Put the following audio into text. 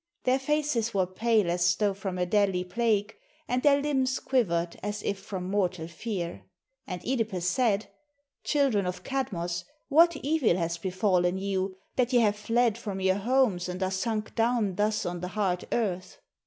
Their faces were pale as though from a deadly plague, and their limbs quivered as if from mortal fear; 6 THE STORY OF (EDIPUS and (Edipus said, "Children of Kadmos, what evil has befallen you, that ye have fled from your homes and are sunk down thus on the hard earth?"